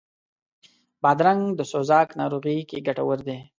بادرنګ د سوزاک ناروغي کې ګټور دی.